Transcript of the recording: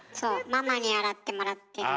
ママに洗ってもらってるの。